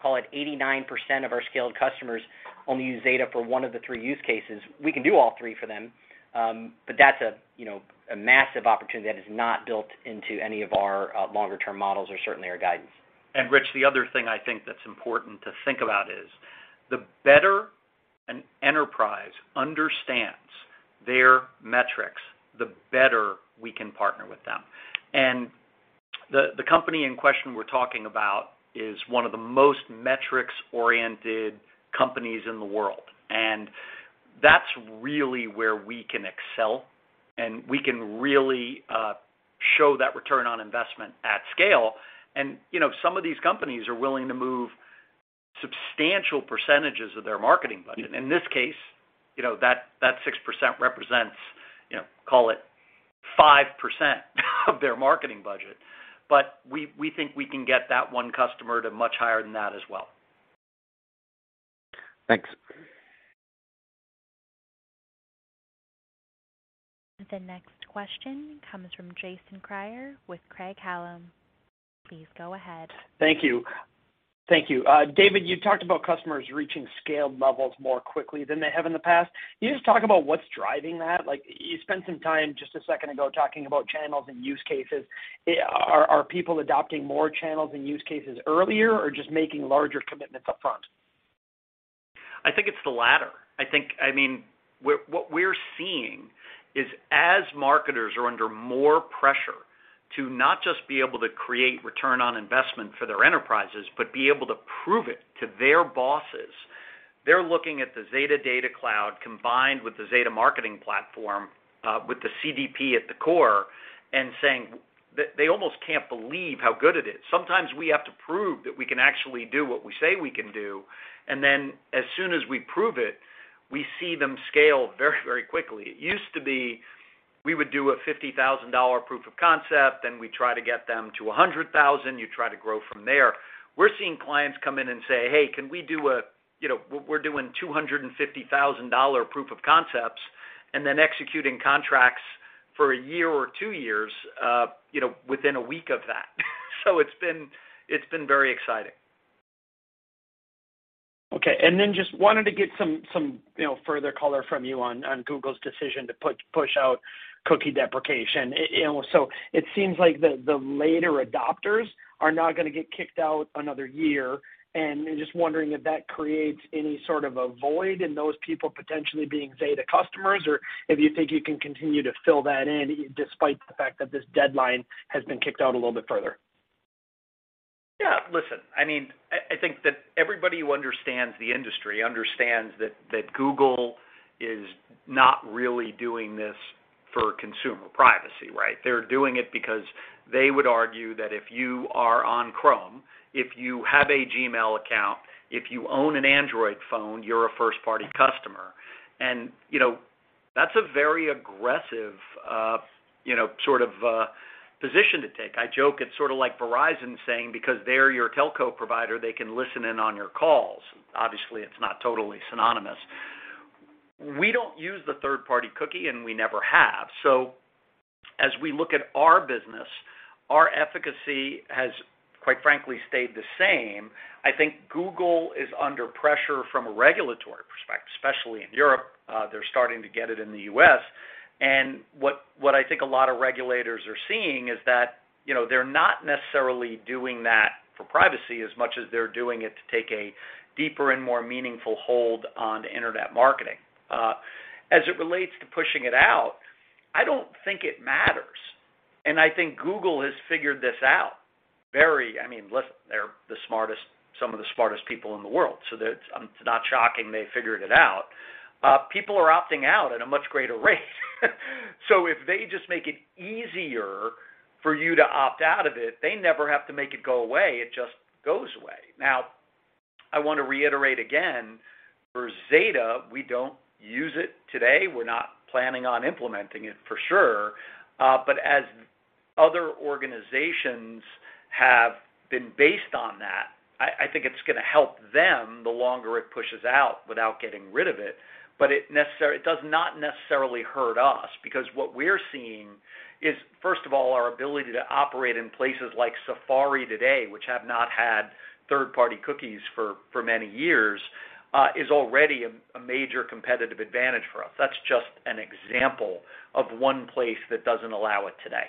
Speaker 3: call it 89% of our scaled customers only use Zeta for one of the three use cases. We can do all three for them, but that's a massive opportunity that is not built into any of our longer term models or certainly our guidance.
Speaker 2: Rich, the other thing I think that's important to think about is the better an enterprise understands their metrics, the better we can partner with them. The company in question we're talking about is one of the most metrics-oriented companies in the world, and that's really where we can excel, and we can really show that return on investment at scale. You know, some of these companies are willing to move substantial percentages of their marketing budget. In this case, you know, that 6% represents, you know, call it 5% of their marketing budget. But we think we can get that one customer to much higher than that as well.
Speaker 8: Thanks.
Speaker 4: The next question comes from Jason Kreyer with Craig-Hallum. Please go ahead.
Speaker 9: Thank you. Thank you. David, you talked about customers reaching scaled levels more quickly than they have in the past. Can you just talk about what's driving that? Like, you spent some time just a second ago talking about channels and use cases. Are people adopting more channels and use cases earlier or just making larger commitments upfront?
Speaker 2: I think it's the latter. I mean, what we're seeing is as marketers are under more pressure to not just be able to create return on investment for their enterprises, but be able to prove it to their bosses, they're looking at the Zeta Data Cloud combined with the Zeta Marketing Platform, with the CDP at the core, and saying that they almost can't believe how good it is. Sometimes we have to prove that we can actually do what we say we can do, and then as soon as we prove it, we see them scale very, very quickly. It used to be we would do a $50,000 proof of concept, then we try to get them to a $100,000. You try to grow from there. We're seeing clients come in and say, "Hey, can we do a, you know, we're doing $250,000 proof of concepts," and then executing contracts for a year or two years, you know, within a week of that. It's been very exciting.
Speaker 9: Okay. Just wanted to get some, you know, further color from you on Google's decision to push out cookie deprecation. It seems like the later adopters are now gonna get kicked out another year. I'm just wondering if that creates any sort of a void in those people potentially being Zeta customers, or if you think you can continue to fill that in despite the fact that this deadline has been kicked out a little bit further.
Speaker 2: Yeah. Listen, I mean, I think that everybody who understands the industry understands that Google is not really doing this for consumer privacy, right? They're doing it because they would argue that if you are on Chrome, if you have a Gmail account, if you own an Android phone, you're a first-party customer. You know, that's a very aggressive, you know, sort of, position to take. I joke it's sort of like Verizon saying because they're your telco provider, they can listen in on your calls. Obviously, it's not totally synonymous. We don't use the third-party cookie, and we never have. As we look at our business, our efficacy has, quite frankly, stayed the same. I think Google is under pressure from a regulatory perspective, especially in Europe. They're starting to get it in the U.S. What I think a lot of regulators are seeing is that, you know, they're not necessarily doing that for privacy as much as they're doing it to take a deeper and more meaningful hold on internet marketing. As it relates to pushing it out, I don't think it matters, and I think Google has figured this out. I mean, listen, they're the smartest, some of the smartest people in the world, so it's not shocking they figured it out. People are opting out at a much greater rate. So if they just make it easier for you to opt out of it, they never have to make it go away. It just goes away. Now, I wanna reiterate again, for Zeta, we don't use it today. We're not planning on implementing it for sure. As other organizations have been based on that, I think it's gonna help them the longer it pushes out without getting rid of it. It does not necessarily hurt us, because what we're seeing is, first of all, our ability to operate in places like Safari today, which have not had third-party cookies for many years, is already a major competitive advantage for us. That's just an example of one place that doesn't allow it today.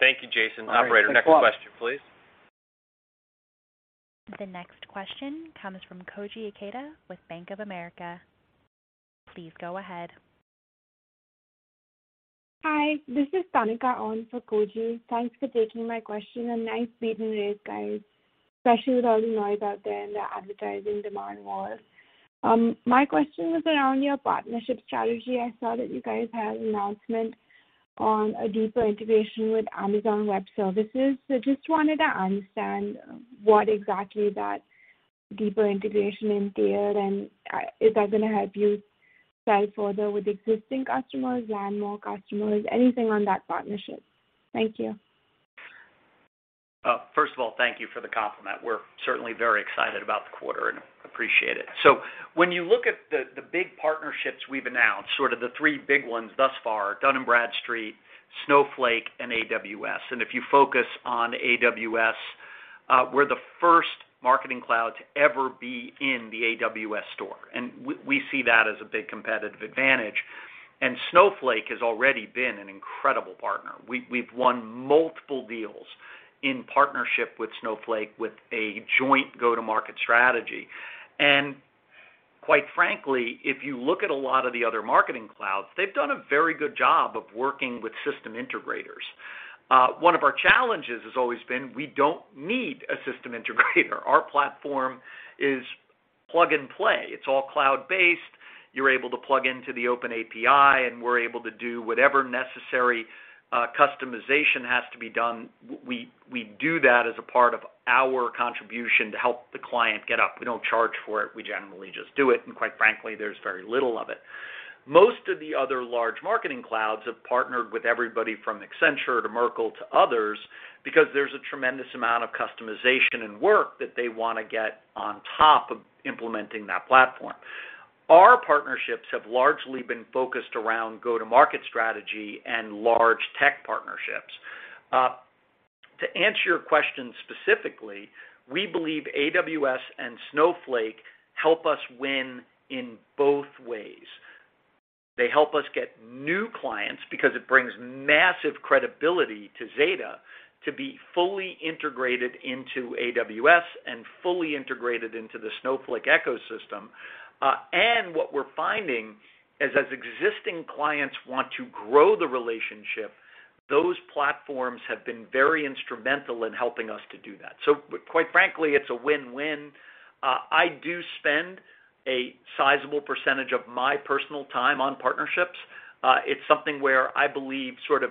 Speaker 3: Thank you, Jason.
Speaker 9: All right. Operator, next question, please.
Speaker 4: The next question comes from Koji Ikeda with Bank of America. Please go ahead.
Speaker 10: Hi, this is Tanika on for Koji Ikeda. Thanks for taking my question, and nice beating rates, guys, especially with all the noise out there in the advertising demand world. My question was around your partnership strategy. I saw that you guys had an announcement on a deeper integration with Amazon Web Services. Just wanted to understand what exactly that deeper integration entailed, and is that gonna help you sell further with existing customers, land more customers? Anything on that partnership. Thank you.
Speaker 2: First of all, thank you for the compliment. We're certainly very excited about the quarter and appreciate it. When you look at the big partnerships we've announced, the three big ones thus far, Dun & Bradstreet, Snowflake, and AWS, and if you focus on AWS, we're the first marketing cloud to ever be in the AWS store, and we see that as a big competitive advantage. Snowflake has already been an incredible partner. We've won multiple deals in partnership with Snowflake with a joint go-to-market strategy. Quite frankly, if you look at a lot of the other marketing clouds, they've done a very good job of working with system integrators. One of our challenges has always been we don't need a system integrator. Our platform is plug and play. It's all cloud-based. You're able to plug into the OpenAPI, and we're able to do whatever necessary customization has to be done. We do that as a part of our contribution to help the client get up. We don't charge for it. We generally just do it, and quite frankly, there's very little of it. Most of the other large marketing clouds have partnered with everybody from Accenture to Merkle to others because there's a tremendous amount of customization and work that they wanna get on top of implementing that platform. Our partnerships have largely been focused around go-to-market strategy and large tech partnerships. To answer your question specifically, we believe AWS and Snowflake help us win in both ways. They help us get new clients because it brings massive credibility to Zeta to be fully integrated into AWS and fully integrated into the Snowflake ecosystem. What we're finding is, as existing clients want to grow the relationship, those platforms have been very instrumental in helping us to do that. Quite frankly, it's a win-win. I do spend a sizable percentage of my personal time on partnerships. It's something where I believe sort of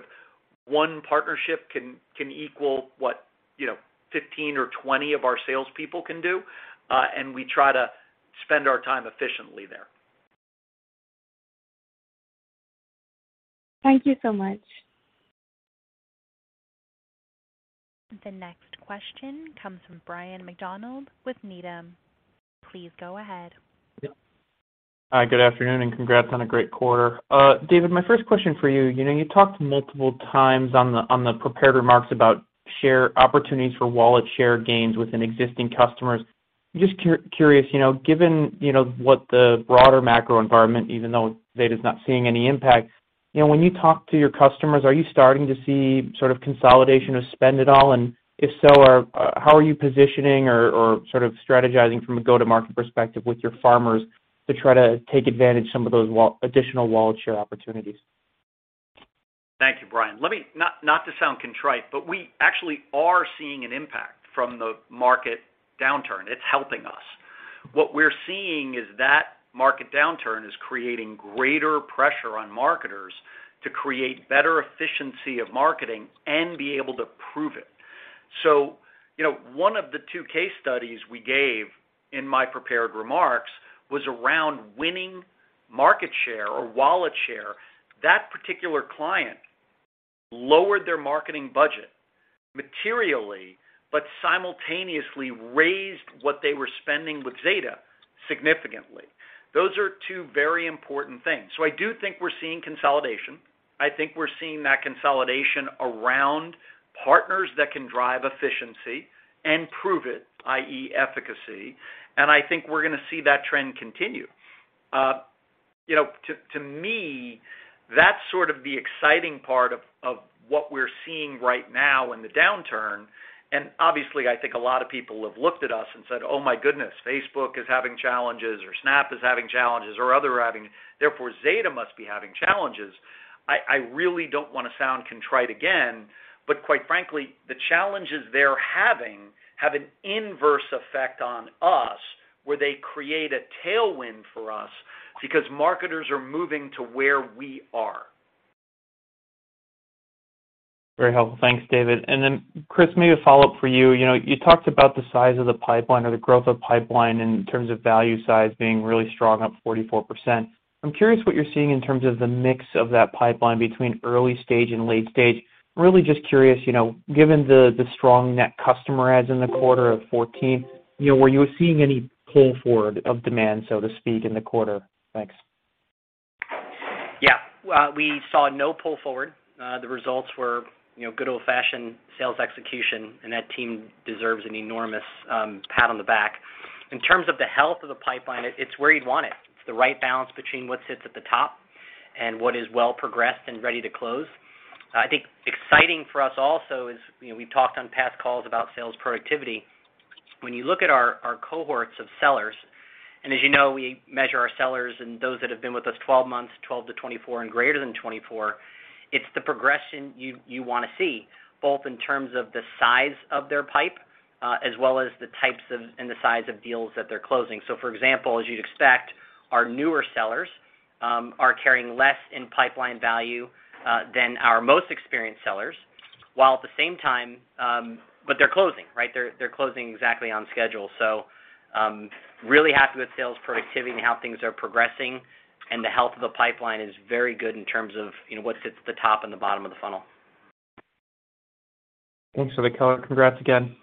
Speaker 2: one partnership can equal what, you know, 15 or 20 of our salespeople can do, and we try to spend our time efficiently there.
Speaker 10: Thank you so much.
Speaker 4: The next question comes from Ryan MacDonald with Needham. Please go ahead.
Speaker 11: Hi, good afternoon, and congrats on a great quarter. David, my first question for you know, you talked multiple times on the prepared remarks about share opportunities for wallet share gains within existing customers. Just curious, you know, given, you know, what the broader macro environment, even though Zeta's not seeing any impact, you know, when you talk to your customers, are you starting to see sort of consolidation of spend at all? If so, how are you positioning or sort of strategizing from a go-to-market perspective with your farmers to try to take advantage of some of those additional wallet share opportunities?
Speaker 2: Thank you, Ryan. Not to sound contrite, but we actually are seeing an impact from the market downturn. It's helping us. What we're seeing is that market downturn is creating greater pressure on marketers to create better efficiency of marketing and be able to prove it. You know, one of the two case studies we gave in my prepared remarks was around winning market share or wallet share. That particular client lowered their marketing budget materially, but simultaneously raised what they were spending with Zeta significantly. Those are two very important things. I do think we're seeing consolidation. I think we're seeing that consolidation around partners that can drive efficiency and prove it, i.e., efficacy, and I think we're gonna see that trend continue. You know, to me, that's sort of the exciting part of what we're seeing right now in the downturn. Obviously, I think a lot of people have looked at us and said, "Oh, my goodness, Facebook is having challenges or Snap is having challenges or others are having. Therefore, Zeta must be having challenges." I really don't wanna sound contrite again, but quite frankly, the challenges they're having have an inverse effect on us, where they create a tailwind for us because marketers are moving to where we are.
Speaker 11: Very helpful. Thanks, David. Chris, maybe a follow-up for you. You know, you talked about the size of the pipeline or the growth of pipeline in terms of value size being really strong, up 44%. I'm curious what you're seeing in terms of the mix of that pipeline between early stage and late stage. Really just curious, you know, given the strong net customer adds in the quarter of 14, you know, were you seeing any pull forward of demand, so to speak, in the quarter? Thanks.
Speaker 3: Yeah. We saw no pull forward. The results were, you know, good old-fashioned sales execution, and that team deserves an enormous pat on the back. In terms of the health of the pipeline, it's where you'd want it. It's the right balance between what sits at the top and what is well progressed and ready to close. I think exciting for us also is, you know, we've talked on past calls about sales productivity. When you look at our cohorts of sellers, and as you know, we measure our sellers and those that have been with us 12 months, 12 to 24, and greater than 24, it's the progression you wanna see, both in terms of the size of their pipe, as well as the types of and the size of deals that they're closing. For example, as you'd expect, our newer sellers are carrying less in pipeline value than our most experienced sellers, while at the same time, but they're closing, right? They're closing exactly on schedule. Really happy with sales productivity and how things are progressing, and the health of the pipeline is very good in terms of, you know, what sits at the top and the bottom of the funnel.
Speaker 11: Thanks for the color. Congrats again.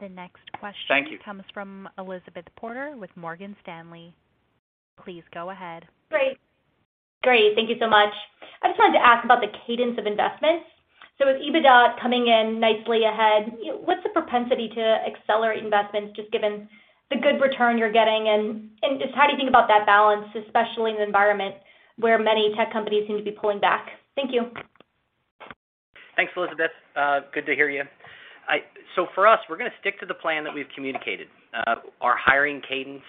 Speaker 4: The next question.
Speaker 3: Thank you.
Speaker 4: Comes from Elizabeth Porter with Morgan Stanley. Please go ahead.
Speaker 12: Great. Thank you so much. I just wanted to ask about the cadence of investments. With EBITDA coming in nicely ahead, what's the propensity to accelerate investments just given the good return you're getting, and just how do you think about that balance, especially in an environment where many tech companies seem to be pulling back? Thank you.
Speaker 3: Thanks, Elizabeth. Good to hear you. So for us, we're gonna stick to the plan that we've communicated. Our hiring cadence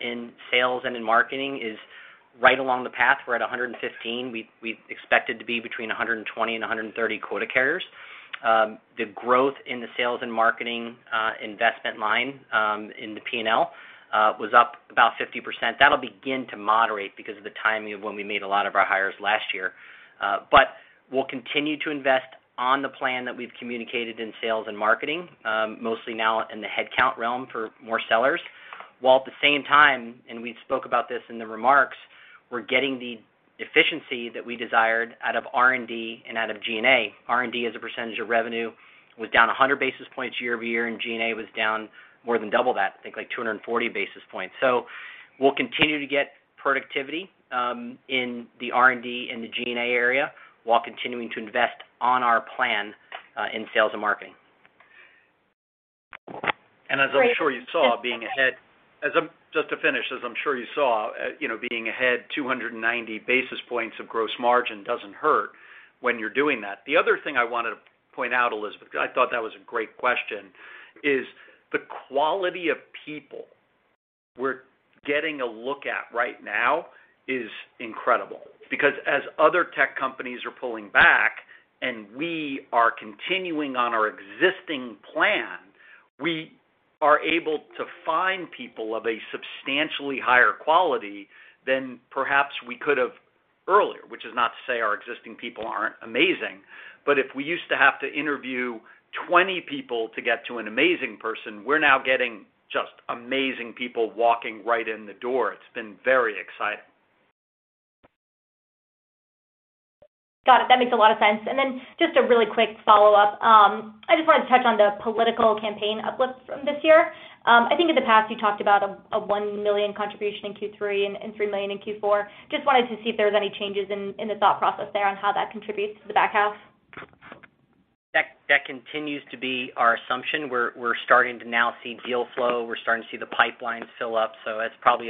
Speaker 3: in sales and in marketing is right along the path. We're at 115. We expected to be between 120 and 130 quota carriers. The growth in the sales and marketing investment line in the P&L was up about 50%. That'll begin to moderate because of the timing of when we made a lot of our hires last year. We'll continue to invest on the plan that we've communicated in sales and marketing, mostly now in the headcount realm for more sellers. While at the same time, and we spoke about this in the remarks, we're getting the efficiency that we desired out of R&D and out of G&A. R&D as a percentage of revenue was down 100 basis points year-over-year, and G&A was down more than double that, I think like 240 basis points. We'll continue to get productivity in the R&D and the G&A area while continuing to invest on our plan in sales and marketing.
Speaker 2: Just to finish, as I'm sure you saw, you know, being ahead 290 basis points of gross margin doesn't hurt when you're doing that. The other thing I wanted to point out, Elizabeth, I thought that was a great question, is the quality of people we're getting a look at right now is incredible, because as other tech companies are pulling back and we are continuing on our existing plan, we are able to find people of a substantially higher quality than perhaps we could have earlier. Which is not to say our existing people aren't amazing, but if we used to have to interview 20 people to get to an amazing person, we're now getting just amazing people walking right in the door. It's been very exciting.
Speaker 12: Got it. That makes a lot of sense. Just a really quick follow-up. I just wanted to touch on the political campaign uplift from this year. I think in the past you talked about a $1 million contribution in Q3 and $3 million in Q4. Just wanted to see if there was any changes in the thought process there on how that contributes to the back half.
Speaker 3: That continues to be our assumption. We're starting to now see deal flow. We're starting to see the pipeline fill up. That's probably,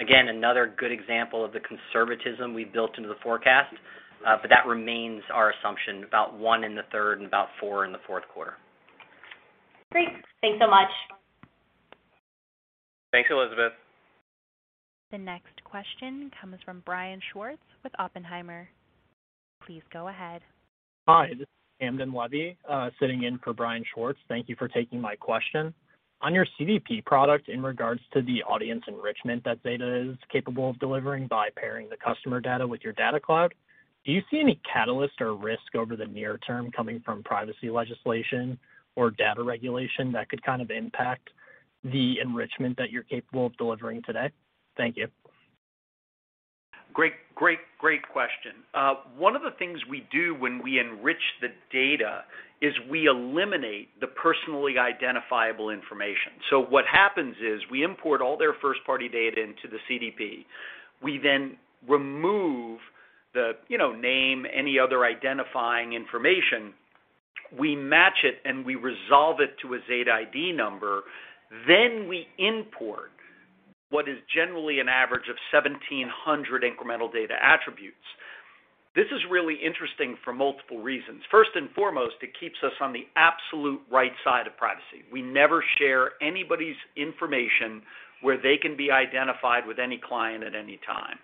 Speaker 3: again, another good example of the conservatism we built into the forecast. That remains our assumption, about one in the third and about four in the fourth quarter.
Speaker 12: Great. Thanks so much.
Speaker 2: Thanks, Elizabeth.
Speaker 4: The next question comes from Brian Schwartz with Oppenheimer. Please go ahead.
Speaker 13: Hi, this is Camden Levy, sitting in for Brian Schwartz. Thank you for taking my question. On your CDP product in regards to the audience enrichment that Zeta is capable of delivering by pairing the customer data with your data cloud, do you see any catalyst or risk over the near term coming from privacy legislation or data regulation that could kind of impact the enrichment that you're capable of delivering today? Thank you.
Speaker 2: Great question. One of the things we do when we enrich the data is we eliminate the personally identifiable information. What happens is we import all their first party data into the CDP. We then remove the, you know, name any other identifying information. We match it, and we resolve it to a Zeta ID number. Then we import what is generally an average of 1,700 incremental data attributes. This is really interesting for multiple reasons. First and foremost, it keeps us on the absolute right side of privacy. We never share anybody's information where they can be identified with any client at any time.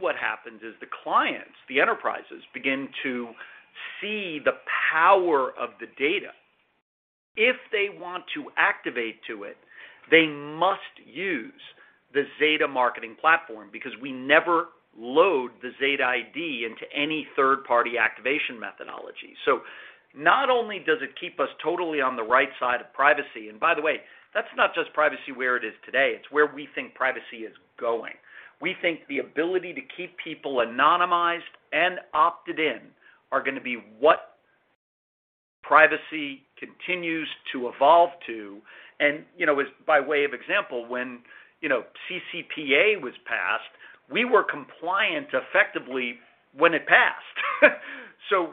Speaker 2: What happens is the clients, the enterprises, begin to see the power of the data. If they want to activate it, they must use the Zeta Marketing Platform because we never load the Zeta ID into any third-party activation methodology. Not only does it keep us totally on the right side of privacy, and by the way, that's not just privacy where it is today, it's where we think privacy is going. We think the ability to keep people anonymized and opted in are gonna be what privacy continues to evolve to. You know, as by way of example, when, you know, CCPA was passed, we were compliant effectively when it passed.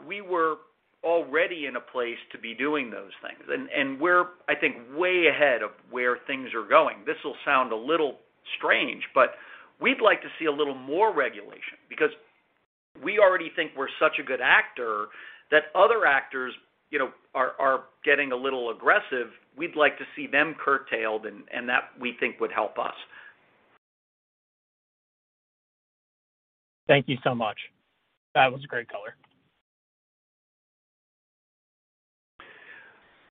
Speaker 2: We were already in a place to be doing those things. We're, I think, way ahead of where things are going. This will sound a little strange, but we'd like to see a little more regulation because we already think we're such a good actor that other actors, you know, are getting a little aggressive. We'd like to see them curtailed and that, we think, would help us.
Speaker 13: Thank you so much. That was a great color.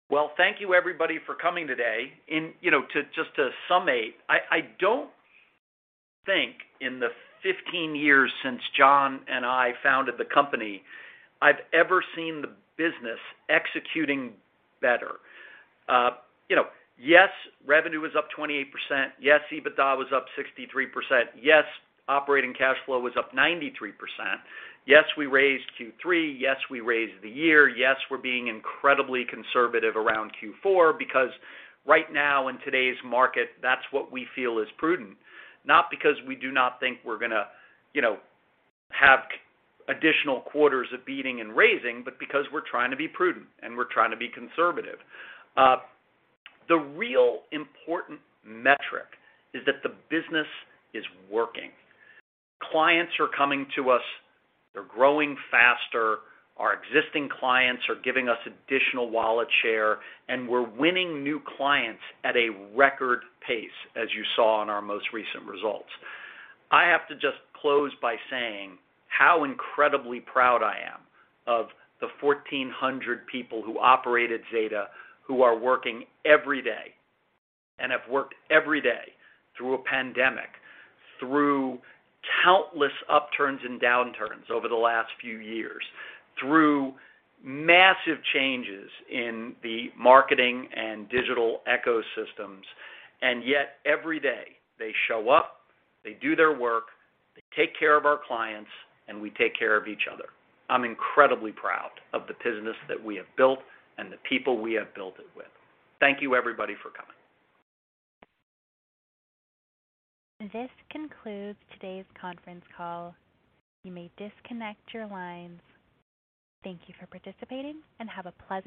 Speaker 2: Well, thank you, everybody, for coming today. You know, to just sum up, I don't think in the 15 years since John and I founded the company I've ever seen the business executing better. You know, yes, revenue was up 28%. Yes, EBITDA was up 63%. Yes, operating cash flow was up 93%. Yes, we raised Q3. Yes, we raised the year. Yes, we're being incredibly conservative around Q4 because right now in today's market, that's what we feel is prudent. Not because we do not think we're gonna, you know, have additional quarters of beating and raising, but because we're trying to be prudent and we're trying to be conservative. The real important metric is that the business is working. Clients are coming to us. They're growing faster. Our existing clients are giving us additional wallet share, and we're winning new clients at a record pace, as you saw in our most recent results. I have to just close by saying how incredibly proud I am of the 1,400 people who operate at Zeta, who are working every day and have worked every day through a pandemic, through countless upturns and downturns over the last few years, through massive changes in the marketing and digital ecosystems. Yet every day they show up, they do their work, they take care of our clients, and we take care of each other. I'm incredibly proud of the business that we have built and the people we have built it with. Thank you everybody for coming.
Speaker 4: This concludes today's conference call. You may disconnect your lines. Thank you for participating and have a pleasant rest of your day.